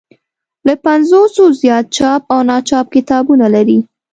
له پنځوسو زیات چاپ او ناچاپ کتابونه لري.